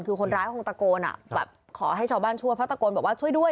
คือคนร้ายคงตะโกนอ่ะแบบขอให้ชาวบ้านช่วยเพราะตะโกนบอกว่าช่วยด้วย